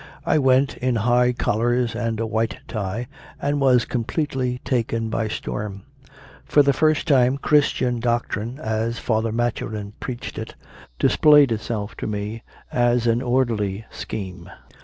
I went, in high collars and a white tie, and was completely taken by storm. For the first time Chris tian Doctrine, as Father Maturin preached it, dis played itself to me as an orderly scheme.